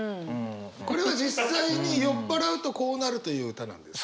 これは実際に酔っ払うとこうなるという歌なんですか？